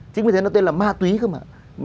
chính vì thế nó tên là ma túy cơ mà